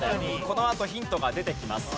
このあとヒントが出てきます。